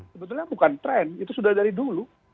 sebetulnya bukan tren itu sudah dari dulu